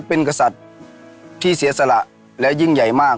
เพื่อตอบแทนบุญคุณที่พ่อองค์ท่านทำไว้ให้กับประชาชนของท่านทุกคนค่ะ